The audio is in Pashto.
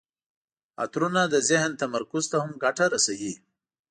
عطرونه د ذهن تمرکز ته هم ګټه رسوي.